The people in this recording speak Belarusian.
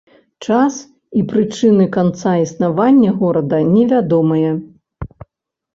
Час і прычыны канца існавання горада невядомыя.